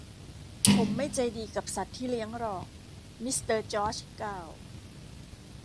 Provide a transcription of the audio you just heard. ผมไม่ใจดีกับสัตว์ที่เลี้ยงหรอก มิสเตอร์จอร์ชกล่าว